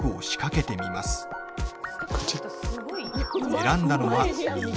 選んだのは右。